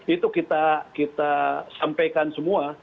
itu kita sampaikan semua